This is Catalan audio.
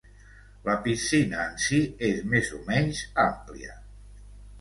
La piscina en sí és més o menys àmplia.